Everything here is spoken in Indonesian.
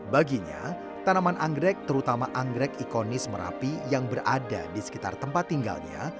baginya tanaman anggrek terutama anggrek ikonis merapi yang berada di sekitar tempat tinggalnya